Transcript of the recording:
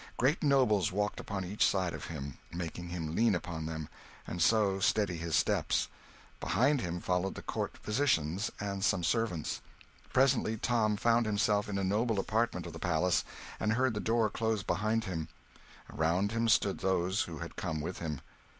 Great nobles walked upon each side of him, making him lean upon them, and so steady his steps. Behind him followed the court physicians and some servants. Presently Tom found himself in a noble apartment of the palace and heard the door close behind him. Around him stood those who had come with him.